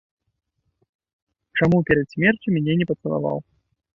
Чаму перад смерцю мяне не пацалаваў?